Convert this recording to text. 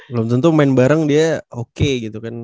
belum tentu main bareng dia oke gitu kan